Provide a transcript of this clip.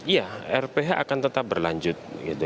ya rph akan tetap berlanjut